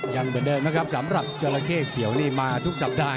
ยังเหมือนเดิมนะครับสำหรับจราเข้เขียวนี่มาทุกสัปดาห